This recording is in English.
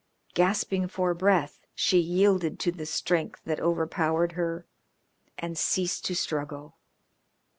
Gasping for breath she yielded to the strength that overpowered her, and ceased to struggle.